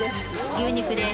牛肉です。